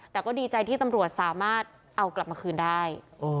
แต่ก็ดีใจที่ตำรวจสามารถเอากลับมาคืนได้